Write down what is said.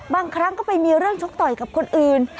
บางครั้งก็ไปมีเรื่องชกต่อยกับคนอื่น